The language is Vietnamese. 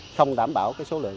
không đảm bảo số lượng